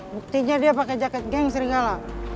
buktinya dia pakai jaket geng seringkala